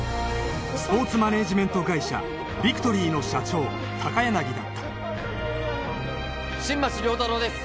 スポーツマネージメント会社ビクトリーの社長高柳だった新町亮太郎です